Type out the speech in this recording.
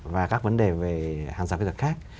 và các vấn đề về hàng rào khác